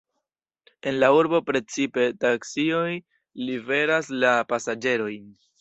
En la urbo precipe taksioj liveras la pasaĝerojn.